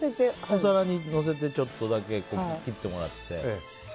お皿にのせてちょっとだけ切ってもらって。